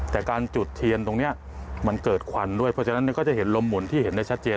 แต่การจุดเทียนตรงนี้มันเกิดควันด้วยเพราะฉะนั้นก็จะเห็นลมหมุนที่เห็นได้ชัดเจน